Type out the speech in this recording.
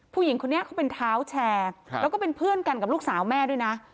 ผู้หญิงคนนี้เขาเป็นเท้าแชร์แล้วก็เป็นเพื่อนกันกับลูกสาวแม่ด้วยนะ